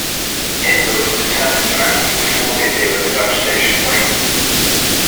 Hitler was determined to act before the appeal of his agitation waned.